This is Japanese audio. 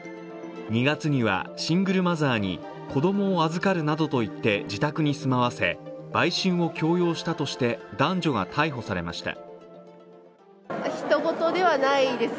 ２月にはシングルマザーに子供を預かるなどと言って自宅に住まわせ、売春を強要したとして男女が逮捕されました。